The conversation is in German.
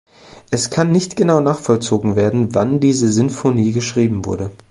Es kann nicht genau nachvollzogen werden, wann diese Sinfonie geschrieben wurde.